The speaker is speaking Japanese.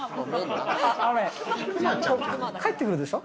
帰ってくるでしょ。